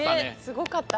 すごかった。